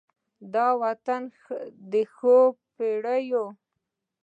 د وطن د ښا پیریو